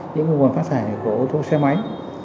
những nguồn phát thải của ô tô xe máy